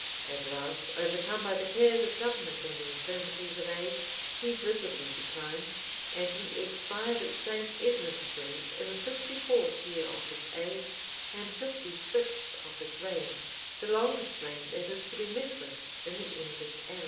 At last, overcome by the cares of government and the infirmities of age, he visibly declined, and he expired at St. Edmondsbury in the sixty fourth year of his age, and fifty sixth of his reign;[] the longest reign that is to be met with in the English annals.